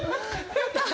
やった！